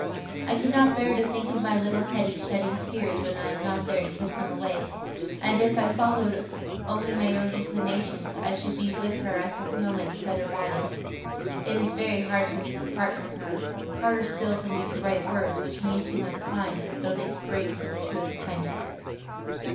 I cannot bear to think of my little Hetty shedding tears when I am not there to kiss them away; and if I followed only my own inclinations, I should be with her at this moment instead of writing. It is very hard for me to part from her—harder still for me to write words which may seem unkind, though they spring from the truest kindness.